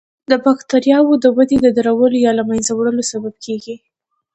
د بکټریاوو د ودې د درولو یا له منځه وړلو سبب کیږي.